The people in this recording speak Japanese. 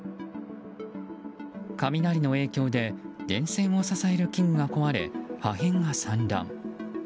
雷の影響で電線を支える器具が壊れ破片が散乱。